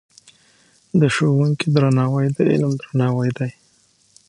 د ښوونکي درناوی د علم درناوی دی.